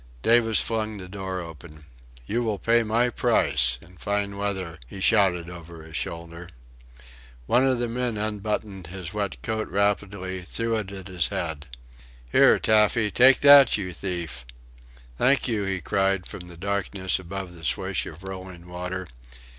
Davis flung the door open. "You will pay my price... in fine weather," he shouted over his shoulder. One of the men unbuttoned his wet coat rapidly, threw it at his head. "Here, Taffy take that, you thief!" "Thank you!" he cried from the darkness above the swish of rolling water.